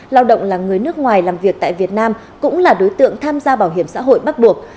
lao động là người nước ngoài làm việc tại việt nam cũng là đối tượng tham gia bảo hiểm xã hội bắt buộc